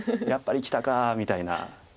「やっぱりきたか」みたいな。